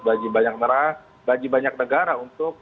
bagi banyak negara untuk